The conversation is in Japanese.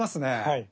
はい。